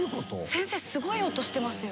先生スゴい音してますよ。